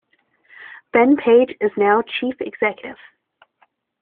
Ben Page is now Chief Executive.